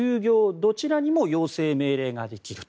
どちらにも要請・命令ができると。